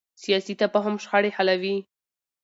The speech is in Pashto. سیاسي تفاهم شخړې حلوي